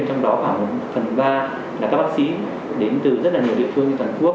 trong đó khoảng phần ba là các bác sĩ đến từ rất nhiều địa phương như tần quốc